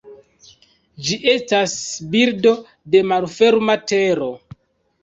Ĝi estas birdo de malferma tero.